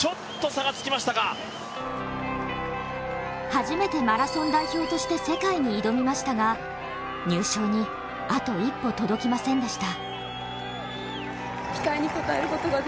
初めてマラソン代表として世界に挑みましたが入賞にあと一歩、届きませんでした。